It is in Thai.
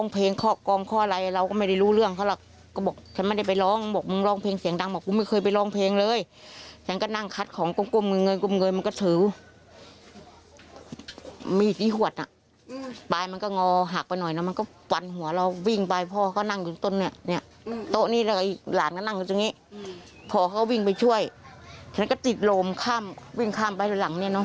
พอเขาวิ่งไปช่วยฉันก็ติดลมข้ามวิ่งข้ามไปหลังเนี่ยเนอ